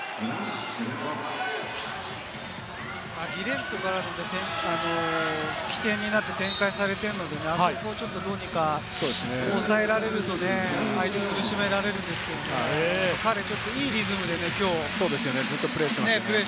ギレントから起点になって展開されているので、あそこをちょっとどうにか抑えられると相手を苦しめられるんですけれども、彼はちょっといいリズムでプレーしてますね。